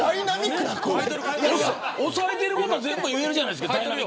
抑えてること全部言えるじゃないですか。